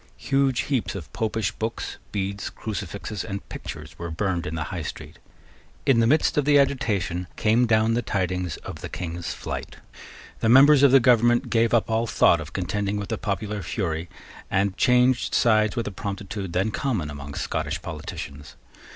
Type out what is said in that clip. Huge heaps of Popish books, beads, crucifixes, and pictures were burned in the High Street. In the midst of the agitation came down the tidings of the King's flight. The members of the government gave up all thought of contending with the popular fury, and changed sides with a promptitude then common among Scottish politicians.